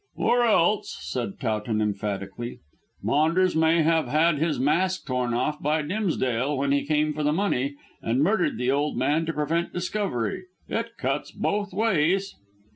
"Or else," said Towton emphatically, "Maunders may have had his mask torn off by Dimsdale when he came for the money and murdered the old man to prevent discovery. It cuts both ways."